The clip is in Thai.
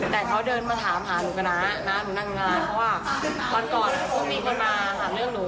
แต่เขาเดินมาถามหาหนูกับน้าน้าหนูนั่งงานเพราะว่าตอนก่อนก็มีคนมาหาเรื่องหนู